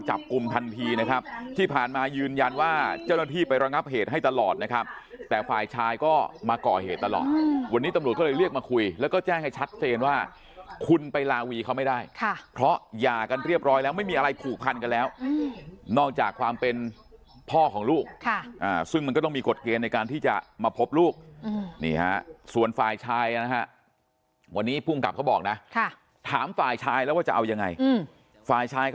เจ้าหน้าที่ไประงับเหตุให้ตลอดนะครับแต่ฝ่ายชายก็มาก่อเหตุตลอดอืมวันนี้ตำรวจก็เลยเรียกมาคุยแล้วก็แจ้งให้ชัดเซนว่าคุณไปลาวีเขาไม่ได้ค่ะเพราะหยากันเรียบร้อยแล้วไม่มีอะไรผูกพันกันแล้วอืมนอกจากความเป็นพ่อของลูกค่ะอ่าซึ่งมันก็ต้องมีกฎเกณฑ์ในการที่จะมาพบลูกอืมนี่ฮะส่วนฝ่